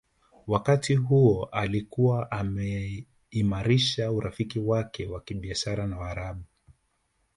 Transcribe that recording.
Wakati huo alikuwa ameimarisha urafiki wake wa kibiashara na Waarabu